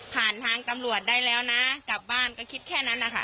ทางตำรวจได้แล้วนะกลับบ้านก็คิดแค่นั้นนะคะ